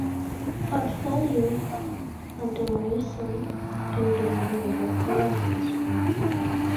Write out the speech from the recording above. "Portfolio", "Mademoiselle" and "Domino" were folded as well.